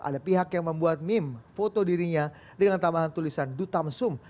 ada pihak yang membuat meme foto dirinya dengan tambahan tulisan dutamsum